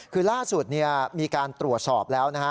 คือล่าสุดมีการตรวจสอบแล้วนะฮะ